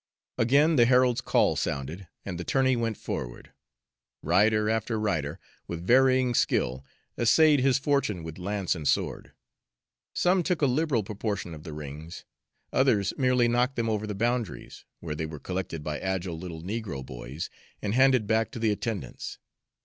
Again the herald's call sounded, and the tourney went forward. Rider after rider, with varying skill, essayed his fortune with lance and sword. Some took a liberal proportion of the rings; others merely knocked them over the boundaries, where they were collected by agile little negro boys and handed back to the attendants.